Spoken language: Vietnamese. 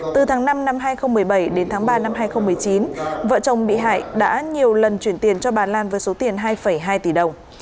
từ tháng năm năm hai nghìn một mươi bảy đến tháng ba năm hai nghìn một mươi chín vợ chồng bị hại đã nhiều lần chuyển tiền cho bà lan với số tiền hai hai tỷ đồng